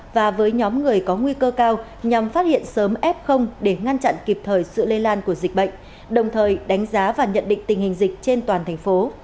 và với nhóm người có nguy cơ cao nhằm phát hiện sớm f để ngăn chặn kịp thời sự lây lan của dịch bệnh đồng thời đánh giá và nhận định tình hình dịch trên toàn thành phố